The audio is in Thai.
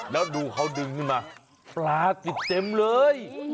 แล้วดูเขาดึงขึ้นมาปลาติดเต็มเลย